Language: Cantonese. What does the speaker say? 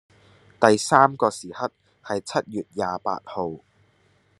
第三個時刻係七月廿八號